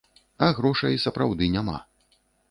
А грошай сапраўды няма.